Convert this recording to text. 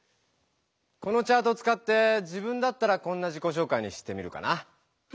このチャートをつかって自分だったらこんな自己紹介にしてみるかな。